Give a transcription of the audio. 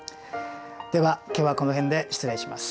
では今日はこの辺で失礼します。